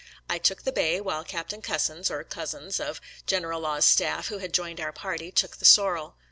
I took the bay, while Captain Cussons (or Cozzens), of General Law's staff, who had joined our party, took the sorrel.